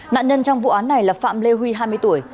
nạn nhân trong vụ án này là phạm lê huy hai mươi tuổi